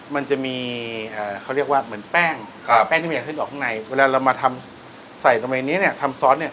มันจะมีเขาเรียกว่าเหมือนแป้งครับแป้งที่มันอยากขึ้นออกข้างในเวลาเรามาทำใส่ตรงในนี้เนี่ยทำซอสเนี่ย